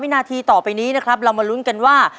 นาทีต่อไปนี้นะครับเรามาลุ้นกันว่า